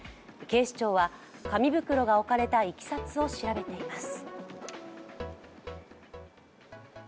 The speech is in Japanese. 警視庁は紙袋が置かれたいきさつを調べています。